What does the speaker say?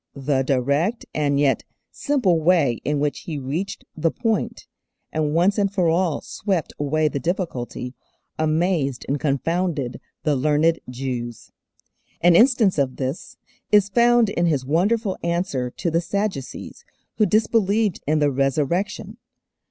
The direct and yet simple way in which He reached the point, and once and for all swept away the difficulty, amazed and confounded the learned Jews. An instance of this is found in His wonderful answer to the Sadducees, who disbelieved in the Resurrection.